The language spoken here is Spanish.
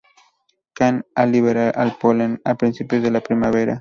Caen al liberar el polen a principios de la primavera.